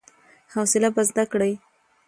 حوصله به زده کړې !